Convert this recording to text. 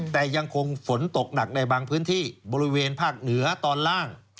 แต่ยังคงฝนตกหนักในบางพื้นที่บริเวณภาคเหนือตอนล่าง